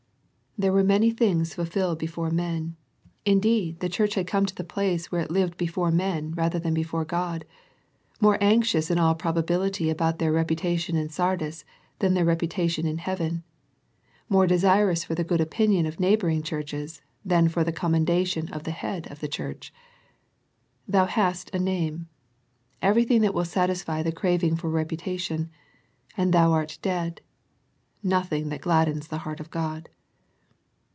There were many things fulfilled be • 140 A First Century Message fore men ; indeed, the church had come to the place where it Hved before men rather than be fore God, more anxious in all probability about their reputation in Sardis than their reputation in heaven, more desirous for the good opinion of neighbouring churches, than for the com mendation of the Head of the Church. " Thou J hast a name," everything that will satisfy the craving for reputation, " and thou art dead," nothing that gladdens the heart of God.